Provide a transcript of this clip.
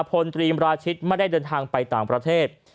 พลตรีมราชิตไม่ได้เดินทางไปต่างประเทศ